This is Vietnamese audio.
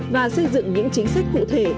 và xây dựng những chính sách cụ thể